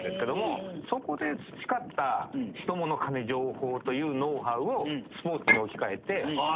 そこで培った人物金情報というノウハウをスポーツに置き換えて。